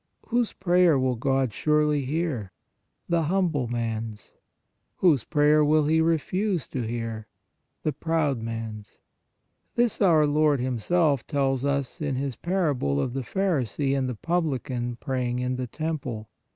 Whose prayer will God surely hear? The humble man s. Whose prayer will He CONDITIONS OF PRAYER 47 refuse to hear? The proud man s. This our Lord Himself tells us in His parable of the pharisee and the publican praying in the temple.